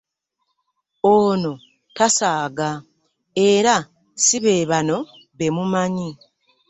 Ono tasaaga era si be bano be mumanyi.